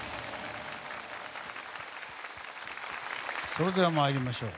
それでは参りましょう。